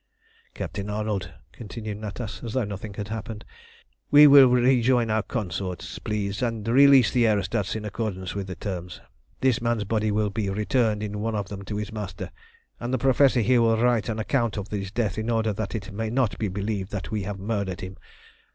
"Captain Arnold," continued Natas, as though nothing had happened. "We will rejoin our consorts, please, and release the aerostats in accordance with the terms. This man's body will be returned in one of them to his master, and the Professor here will write an account of his death in order that it may not be believed that we have murdered him.